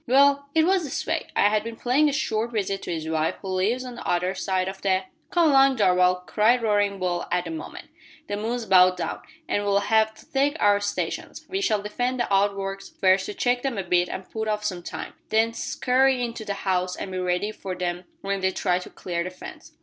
"Well, it was this way. I had been paying a short visit to his wife, who lives on the other side of the " "Come along, Darvall," cried Roaring Bull at that moment. "The moon's about down, an' we'll have to take our stations. We shall defend the outworks first to check them a bit and put off some time, then scurry into the house and be ready for them when they try to clear the fence.